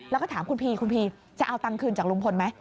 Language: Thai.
แล้วก็ถามคุณพีคุณพีจะเอาตังค์คืนจากลุงพลไหม